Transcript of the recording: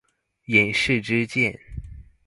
引誓之劍